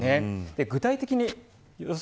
具体的に予想